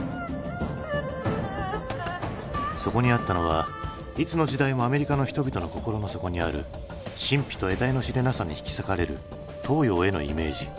そこにあったのはいつの時代もアメリカの人々の心の底にある神秘と得体の知れなさに引き裂かれる東洋へのイメージ。